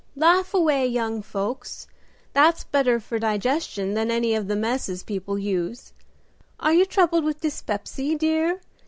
"Laugh away, young folks, that's better for digestion than any of the messes people use. Are you troubled with dyspepsy, dear?